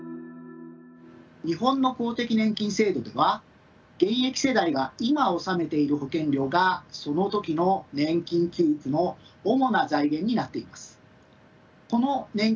日本の公的年金制度では現役世代が今納めている保険料がその時の年金給付の主な財源になっています。